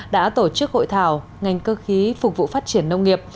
đã tổ chức hội thảo ngành cơ khí phục vụ phát triển nông nghiệp